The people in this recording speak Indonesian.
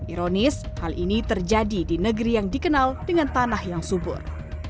ironis hal ini terjadi di negeri yang dikenal dengan tanah yang subur